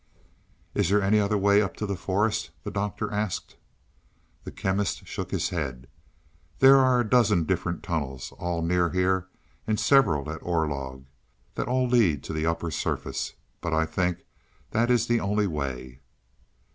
"Is there any other way up to the forest?" the Doctor asked. The Chemist shook his head. "There are a dozen different tunnels, all near here, and several at Orlog, that all lead to the upper surface. But I think that is the only way."